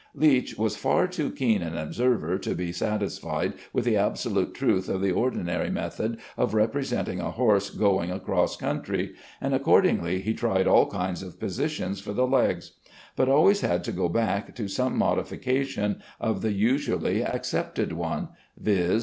Leech was far too keen an observer to be satisfied with the absolute truth of the ordinary method of representing a horse going across country, and accordingly he tried all kinds of positions for the legs, but always had to go back to some modification of the usually accepted one, viz.